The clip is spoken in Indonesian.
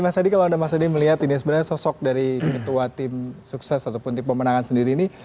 mas adi kalau anda mas adi melihat ini sebenarnya sosok dari ketua tim sukses ataupun tim pemenangan sendiri ini